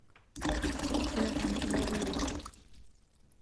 أُدخل سامي إلى العيادة.